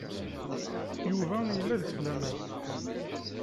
Yuba yella deg-s laman.